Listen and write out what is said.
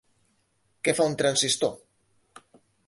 Què fa un transistor?